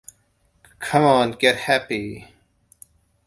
Come On Get Happy!